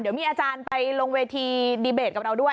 เดี๋ยวมีอาจารย์ไปลงเวทีดีเบตกับเราด้วย